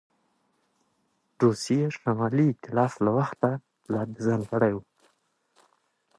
روسیې شمالي ایتلاف له وخته لا د ځان کړی وو.